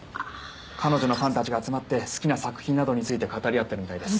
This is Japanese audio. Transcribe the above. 彼女のファンたちが集まって好きな作品などについて語り合ってるみたいです。